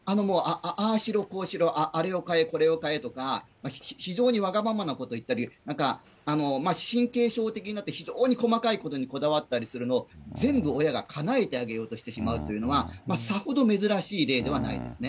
ああしろこうしろ、あれを買え、これを買えとか、非常にわがままなこと言ったり、神経症的になって、非常に細かいことにこだわったりするのを全部親がかなえてあげようとしてしまうというのは、さほど珍しい例ではないですね。